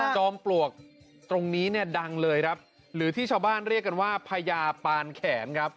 จอมปลวกตรงนี้เนี่ยดังเลยครับหรือที่ชาวบ้านเรียกกันว่าพญาปานแขนครับ